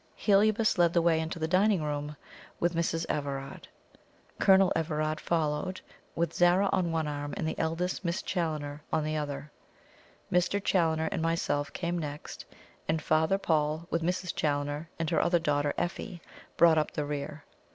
Heliobas led the way into the dining room with Mrs. Everard; Colonel Everard followed, with Zara on one arm and the eldest Miss Challoner on the other; Mr. Challoner and myself came next; and Father Paul, with Mrs. Challoner and her other daughter Effie, brought up the rear.